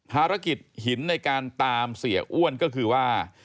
ภารกิจหินในการตามเสียอ้วนก็คือว่า